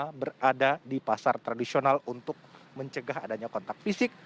mereka berada di pasar tradisional untuk mencegah adanya kontak fisik